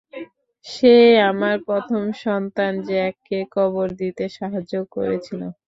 সে আমার প্রথম সন্তান জ্যাক কে কবর দিতে সাহায্য করেছিল।